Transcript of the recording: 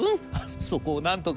『そこをなんとか！